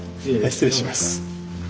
失礼します。